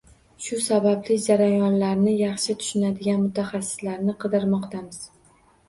Shu sababli jarayonlarni yaxshi tushunadigan mutaxassislarni qidirmoqdamiz.